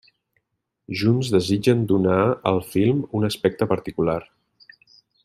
Junts, desitgen donar al film un aspecte particular.